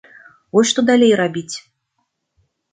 Вось што далей рабіць!